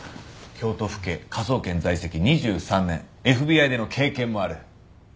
京都府警科捜研在籍２３年ＦＢＩでの経験もある。